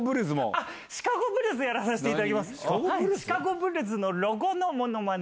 シカゴ・ブルズやらさせていただきます。